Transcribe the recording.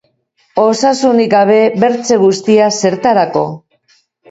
Osasunik gabe bertze guztia, zertarako?